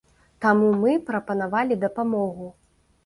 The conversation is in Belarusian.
Таму мы прапанавалі дапамогу.